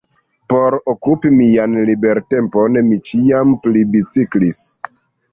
Por okupi mian libertempon, mi ĉiam pli biciklis.